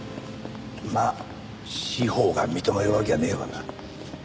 まあ司法が認めるわけはねえわな。